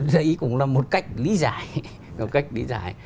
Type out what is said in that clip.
đây cũng là một cách lý giải